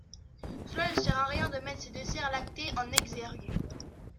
Cela ne sert à rien de mettre ces desserts lactés en exergue.